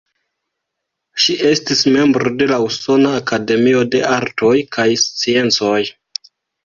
Ŝi estis membro de la Usona Akademio de Artoj kaj Sciencoj.